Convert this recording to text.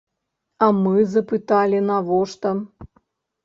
А мы запыталі навошта.